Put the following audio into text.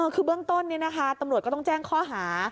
คือเบื้องต้นตำรวจก็ต้องแจ้งข้อหา